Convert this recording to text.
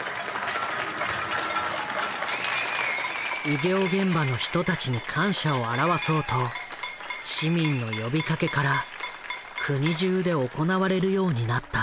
医療現場の人たちに感謝を表そうと市民の呼びかけから国じゅうで行われるようになった。